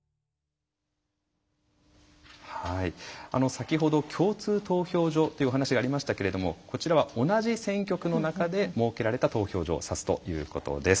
先ほど共通投票所というお話がありましたけれどもこちらは同じ選挙区の中で設けられた投票所を指すということです。